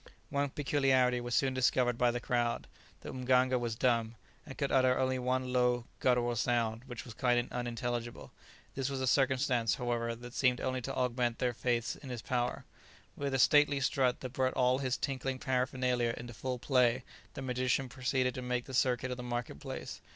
One peculiarity was soon discovered by the crowd; the mganga was dumb, and could utter only one low, guttural sound, which was quite unintelligible; this was a circumstance, however, that seemed only to augment their faith in his powers. With a stately strut that brought all his tinkling paraphernalia into full play, the magician proceeded to make the circuit of the market place.